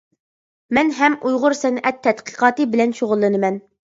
مەن ھەم ئۇيغۇر سەنئەت تەتقىقاتى بىلەن شۇغۇللىنىمەن.